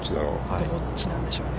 どっちなんでしょうね。